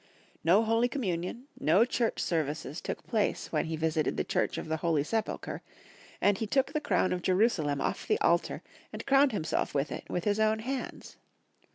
No Holy Communion, no Church services took place when he visited the Church of the Holy Sepulchre, and he took the crown of Jerusalem off the altar, and crowned himself with it with his own hands.